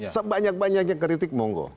sebanyak banyaknya kritik monggo